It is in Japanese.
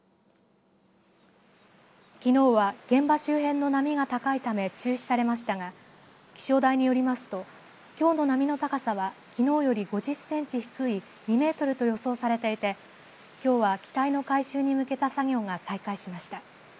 きのうは現場周辺の波が高いため中止されましたが気象台によりますときょうの波の高さはきのうより５０センチ低い２メートルと予想されていてきょうは機体の回収に向けた作業が再開しました。